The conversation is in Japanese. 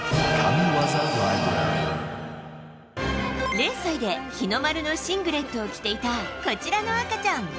０歳で日の丸のシングレットを着ていたこちらの赤ちゃん。